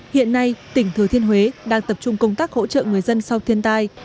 hiện nay tỉnh thừa thiên huế đang tập trung công tác hỗ trợ người dân sau thiên tai